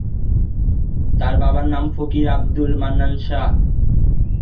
তার বাবার নাম ফকির আবদুল মান্নান শাহ।